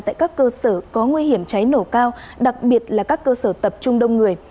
tại các cơ sở có nguy hiểm cháy nổ cao đặc biệt là các cơ sở tập trung đông người